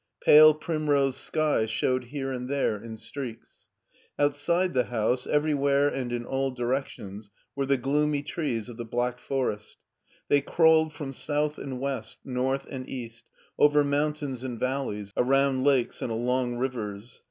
Pale primrose sky showed here and tfiere in streaks. Outside the house, ever3rwhere and in all directions, were the gloomy trees of the Bfaclc Forest. They crawled from south and west, north and cast, over mountains and valleys, around lakes and along rivers.